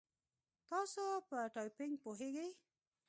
تاسو په ټایپینګ پوهیږئ؟